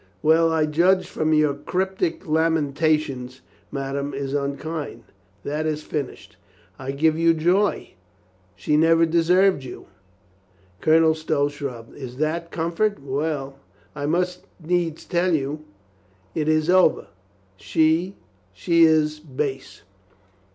"Well, I judge from your cryptic lamentations ma dame is unkind?" "That is finished." "I give you joy. She never deserved you." Colonel Stow shrugged. "Is that comfort? ... Well ... I must needs tell you ... It is over ... She ... she is base."